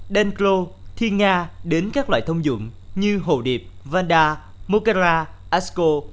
tê cô thiên nga đến các loại thông dụng như hồ điệp vanda mô ca ra asco